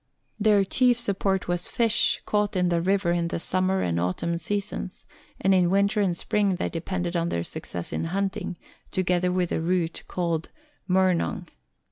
141' Their chief support was fish, caught in the river in the summer and autumn seasons, and in winter and spring they depended on their success in hunting, together with the root called "murnong."